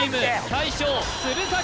大将鶴崎！